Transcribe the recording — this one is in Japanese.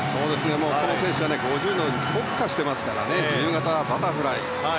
この選手は５０ｍに特化してますからね自由形、バタフライ。